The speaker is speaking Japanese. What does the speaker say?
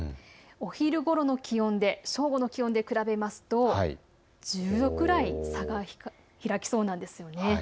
お昼ごろの気温で正午の気温で比べますと１０度くらい差が開きそうなんですね。